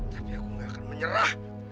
tapi aku gak akan menyerah